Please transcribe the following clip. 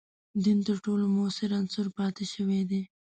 دین تر ټولو موثر عنصر پاتې شوی دی.